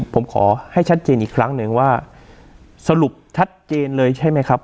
ผมขอให้ชัดเจนอีกครั้งหนึ่งว่าสรุปชัดเจนเลยใช่ไหมครับ